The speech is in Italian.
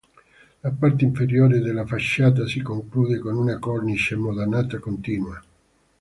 La parte inferiore della facciata si conclude con una cornice modanata continua.